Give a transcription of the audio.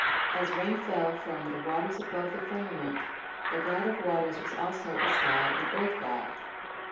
As rain fell from "the waters above the firmament", the god of waters was also a sky and earth god.